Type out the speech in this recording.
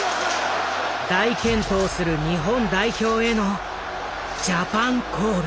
大健闘する日本代表へのジャパンコール。